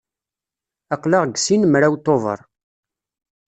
Aql-aɣ deg sin mraw Tubeṛ.